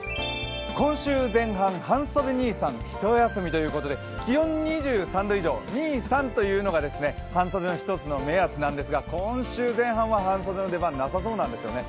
今週前半、半袖兄さんひと休みということで気温２３度以上、２、３というのが半袖の基準の一つなんですが今週前半は半袖の出番なさそうなんですね。